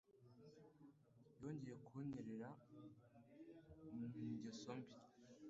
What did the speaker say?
Yongeye kunyerera mu ngeso mbi.